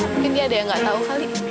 mungkin dia ada yang gak tau kali